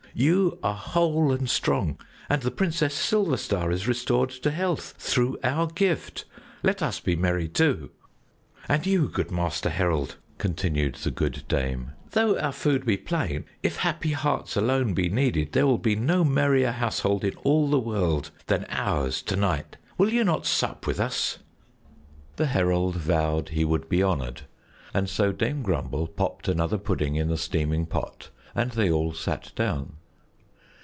You are whole and strong, and the Princess Silverstar is restored to health through our gift. Let us be merry too! "And you, good Master Herald," continued the good Dame, "though our food be plain, if happy hearts alone be needed, there will be no merrier household in all the world than ours to night. Will you not sup with us?" The herald vowed he would be honored, and so Dame Grumble popped another pudding in the steaming pot, and they all sat down.